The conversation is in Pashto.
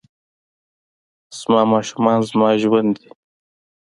زما ماشومان زما ژوند دي